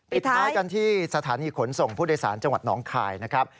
ท้ายกันที่สถานีขนส่งผู้โดยสารจังหวัดหนองคายนะครับ